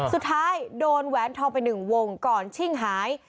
สุดท้ายโดนแหวนทองไปหนึ่งวงก่อนชิ่งหาย